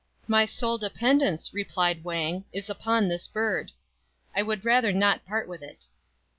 " My sole de pendence," replied Wang, " is upon this bird. I would rather not part with it."